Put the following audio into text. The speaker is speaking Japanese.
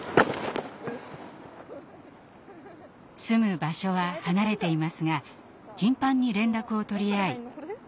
住む場所は離れていますが頻繁に連絡を取り合い